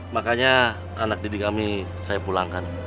makanya anak didik kami saya pulangkan